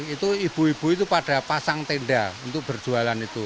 itu ibu ibu itu pada pasang tenda untuk berjualan itu